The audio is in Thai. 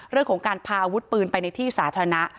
เรื่องของการพาอาวุธปืนไปในที่สาธารณะ